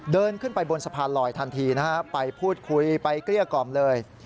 เดินขึ้นไปบนสะพานลอยทันทีนะฮะไปพูดคุยไปเกลี้ยกล่อมเลย